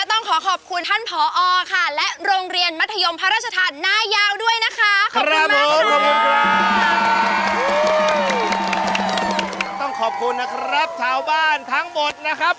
ต้องขอบคุณมากนะครับชาวบ้านทั้งหมดนะครับ